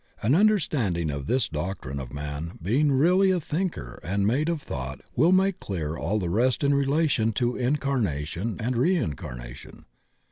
An understanding of this doctrine of man being really a thinker and made of thought will make clear all the rest in relation to incarnation and reincarnation.